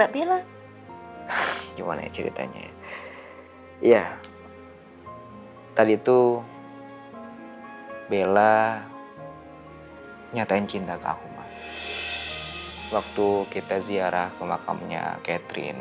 iya tadi tuh bella nyatain cinta ke aku waktu kita ziarah ke makamnya catherine